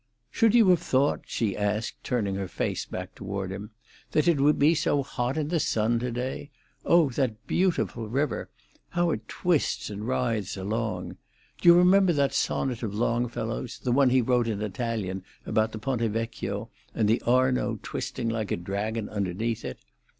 "Should you have thought," she asked, turning her face back toward him, "that it would be so hot in the sun to day? Oh, that beautiful river! How it twists and writhes along! Do you remember that sonnet of Longfellow's—the one he wrote in Italian about the Ponte Vecchio, and the Arno twisting like a dragon underneath it?